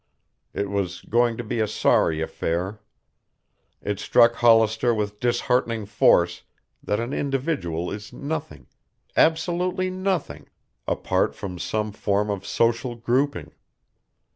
It was going to be a sorry affair. It struck Hollister with disheartening force that an individual is nothing absolutely nothing apart from some form of social grouping.